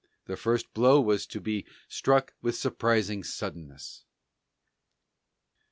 The first blow was to be struck with surprising suddenness.